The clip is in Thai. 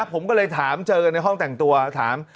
ผมก็เลยถามเจอกันในห้องแต่งตัวถาม